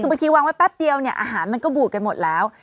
คือบางทีวางไว้แป๊บเดียวเนี่ยอาหารมันก็บูดกันหมดแล้ว